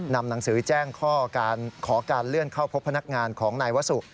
นำหนังสือแจ้งข้อการเลื่อนเข้าพบพนักงานของนายวสุ